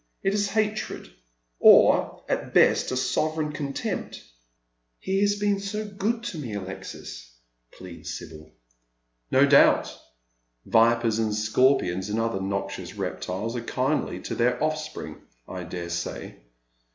It is hatred— or at best a sovereign contempt." " He has been so go~i to me, Alexis," pleads Sibyl. Between Love and Gold. 175 No doubt. Vipers and scorpions and other noxiouB reptiles *io kindly to their offspring, I dare say.